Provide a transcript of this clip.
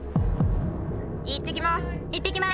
いってきます。